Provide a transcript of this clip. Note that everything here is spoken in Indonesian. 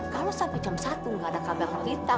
kalau sampai jam satu gak ada kabar berita